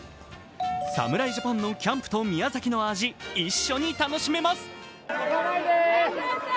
侍ジャパンと宮崎の味、一緒に楽しめますよ。